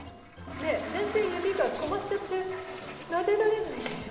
ねえ全然指が止まっちゃってなでられないでしょ？